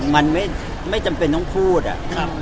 มันไม่จำเป็นต้องพูดอะ